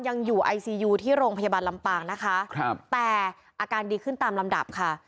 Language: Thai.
ยังอยู่ไอซียูที่โรงพยาบาลลำปางนะคะครับแต่อาการดีขึ้นตามลำดับค่ะ